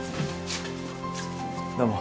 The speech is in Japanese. どうも。